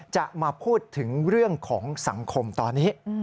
จะมาพูดถึงเรื่องของสังคมตอนนี้